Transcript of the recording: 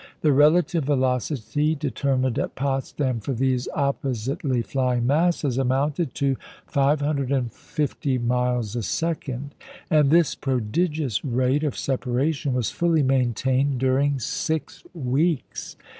The relative velocity determined at Potsdam for these oppositely flying masses amounted to 550 miles a second. And this prodigious rate of separation was fully maintained during six weeks!